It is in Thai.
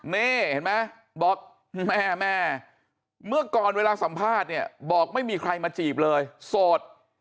นี่เห็นไหมบอกแม่แม่เมื่อก่อนเวลาสัมภาษณ์เนี่ยบอกไม่มีใครมาจีบเลยโสด